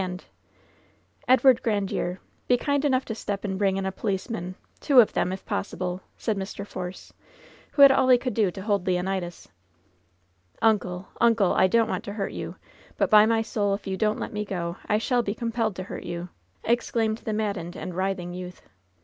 And ^" "Edward Grandiere! Be kind enough to step and bring in a policeman — two of them, if possible," said Mr. Force, who had all he could do to hold Leonidas. ^TJncle ! uncle ! I don't want to hurt you, but, by my soul, if you don't let me go, I shall be compelled to hurt you !" exclaimed the maddened and writhing youth.